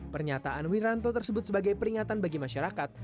pernyataan wiranto tersebut sebagai peringatan bagi masyarakat